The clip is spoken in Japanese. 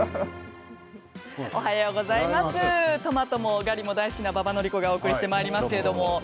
トマトもガリも大好きな馬場典子がお送りしてまいります。